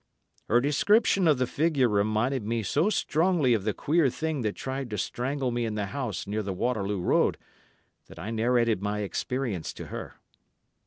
Her description of the figure reminded me so strongly of the queer thing that tried to strangle me in the house near the Waterloo Road, that I narrated my experience to her.